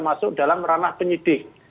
masuk dalam ranah penyidik